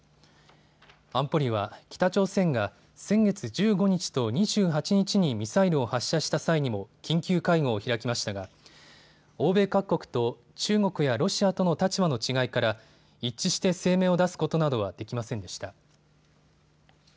安保理は北朝鮮が先月１５日と２８日にミサイルを発射した際にも緊急会合を開きましたが欧米各国と中国やロシアとの立場の違いから一致して声明を出すことなどはできませんでした。